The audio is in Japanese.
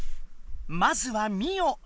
まずはミオ。